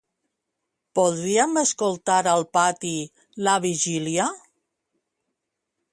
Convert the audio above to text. Podríem escoltar al pati "La vigília"?